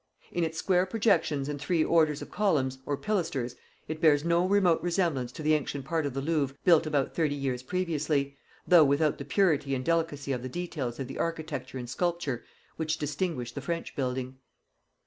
In its square projections and three orders of columns, or pilasters, it bears no remote resemblance to the ancient part of the Louvre built about thirty years previously, though without the purity and delicacy of the details of the architecture and sculpture which distinguish the French building.